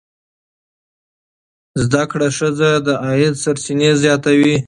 زده کړه ښځه د عاید سرچینې زیاتوي.